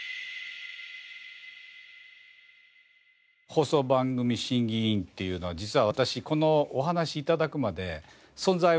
放送番組審議員っていうのは実は私このお話を頂くまで存在も知らずにですね。